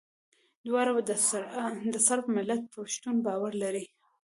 دواړه د صرب ملت پر شتون باور لري.